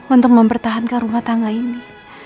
untuk mempertahankan rumah tangga ini